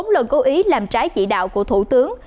bốn lần cố ý làm trái chỉ đạo của thủ tướng